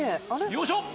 よいしょっ